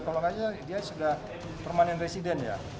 kalau nggak sih dia sudah permanent resident ya